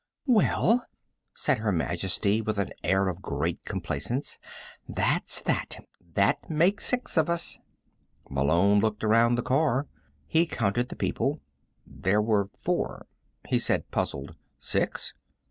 "Well," said Her Majesty with an air of great complacence, "that's that. That makes six of us." Malone looked around the car. He counted the people. There were four. He said, puzzled: "Six?"